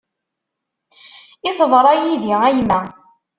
I teḍra yid-i a yemma.